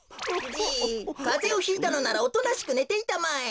じいかぜをひいたのならおとなしくねていたまえ。